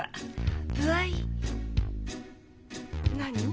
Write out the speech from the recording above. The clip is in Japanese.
何？